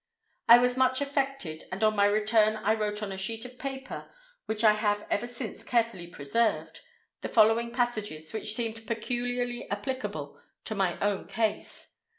I was much affected, and on my return I wrote on a sheet of paper (which I have ever since carefully preserved), the following passages, which seemed peculiarly applicable to my own case.